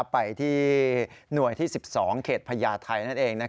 ไปที่หน่วยที่๑๒เขตพญาไทยนั่นเอง